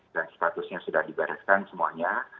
dan statusnya sudah dibaraskan semuanya